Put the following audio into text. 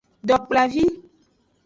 Dokplavi.